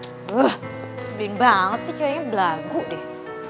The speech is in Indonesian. udah gede banget sih ceweknya belagu deh